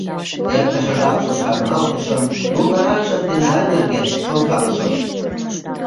Эртыше жапым шарналтышым, но утларакше тендан нерген шонкалышым.